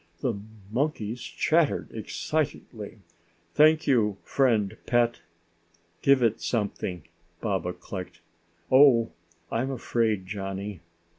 The monkeys chattered excitedly. "Thank you, friend pet." "Give it something," Baba clicked. "Oh, I'm afraid, Johnny.